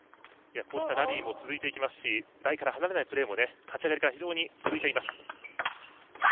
こうしたラリーも続いていきますし台から離れないプレーも立ち上がりから非常に続いています。